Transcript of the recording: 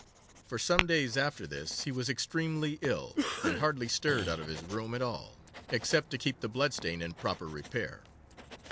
For some days after this he was extremely ill, and hardly stirred out of his room at all, except to keep the blood stain in proper repair.